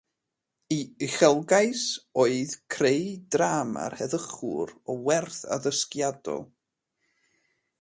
Ei uchelgais oedd creu drama'r heddychwr o werth addysgiadol.